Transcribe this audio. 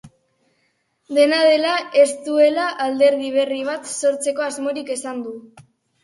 Dena dela, ez duela alderdi berri bat sortzeko asmorik esan du.